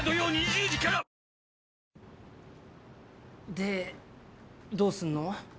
でどうすんの？